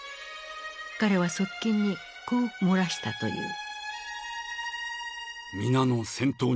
彼は側近にこう漏らしたという。